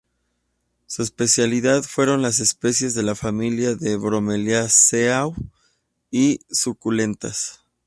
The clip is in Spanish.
Su especialidad fueron las especies de la familia de Bromeliaceae, y suculentas.